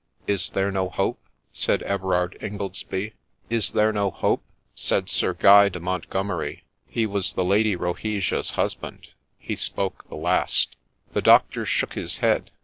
' Is there no hope ?' said Everard Ingoldsby. ' Is there no hope ?' said Sir Guy de Montgomeri. He was the Lady Rohesia's husband ;— he spoke the last. The doctor shook his head.